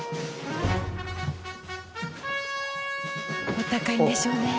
お高いんでしょうねえ。